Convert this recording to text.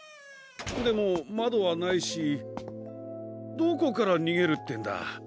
でもまどはないしどこからにげるってんだ。